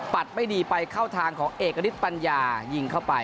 ไม่ดีไปเข้าทางของเอกณิตปัญญายิงเข้าไป